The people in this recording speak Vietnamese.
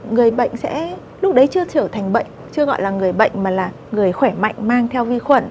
người bệnh sẽ lúc đấy chưa trở thành bệnh chưa gọi là người bệnh mà là người khỏe mạnh mang theo vi khuẩn